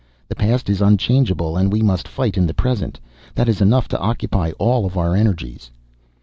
The past is unchangeable and we must fight in the present. That is enough to occupy all our energies."